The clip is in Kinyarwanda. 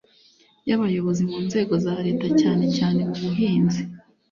y abayobozi mu nzego za Leta cyane cyane mubuhinzi